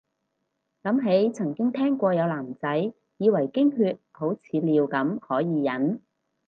諗起曾經聽過有男仔以為經血好似尿咁可以忍